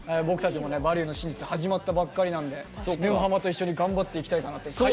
僕たちも「バリューの真実」始まったばっかりなんで「沼ハマ」と一緒に頑張っていきたいかなって。